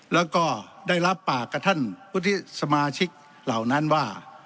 แล้วก็ได้รับปากกับท่านวุฒิสมาชิกเหล่านั้นว่า